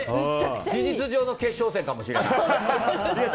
事実上の決勝戦かもしれない。